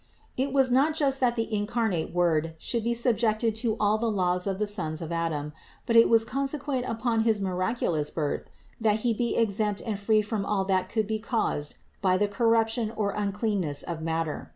It was not just that the incarnate Word should be sub ject to all the laws of the sons of Adam; but it was conse quent upon his miraculous Birth that He be exempt and free from all that could be caused by the corruption or uncleanness of matter.